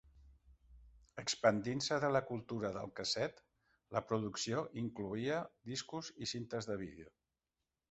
Expandint-se de la cultura del casset, la producció incloïa discos i cintes de vídeo.